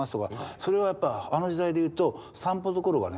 それはやっぱあの時代で言うと３歩どころかね